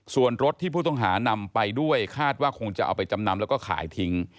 ส่วนรถที่ผู้ต้องหานำไปด้วยคาดว่าคงจะเอาไปจำนำแล้วก็ขายทิ้ง